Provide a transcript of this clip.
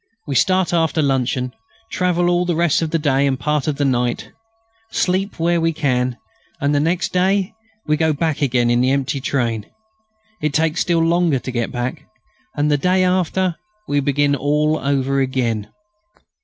We start after luncheon, travel all the rest of the day and part of the night, sleep where we can, and the next day we go back again in the empty train. It takes still longer to get back. And the day after we begin all over again."